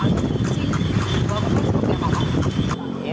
atau kusir kalau kusir seperti apa